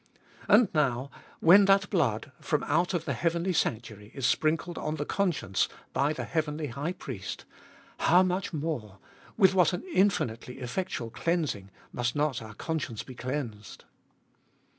And now, when that blood, from out of the heavenly sanctuary, is sprinkled on the conscience by the heavenly High Priest — how much more — with what an infinitely effectual cleansing, must not our conscience be cleansed.